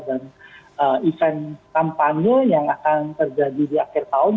dan event kampanye yang akan terjadi di akhir tahun